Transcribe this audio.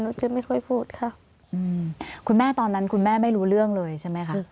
จะไม่ค่อยพูดค่ะคุณแม่ตอนนั้นคุณแม่ไม่รู้เรื่องเลยใช่ไหมคะ